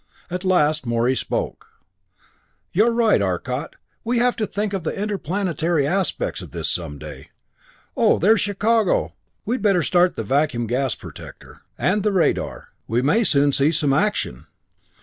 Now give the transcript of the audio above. At last Morey spoke. "You're right, Arcot. We'll have to think of the interplanetary aspects of this some day. Oh, there's Chicago! We'd better start the vacuum gas protector. And the radar. We may soon see some action."